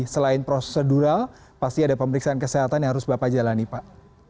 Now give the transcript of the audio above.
selain prosedural pasti ada pemeriksaan kesehatan yang harus bapak jalani pak